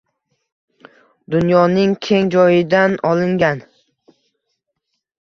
Dunyoning keng joyidan olingan